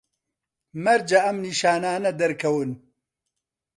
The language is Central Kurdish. مەرجە ئەم نیشانانە دەرکەون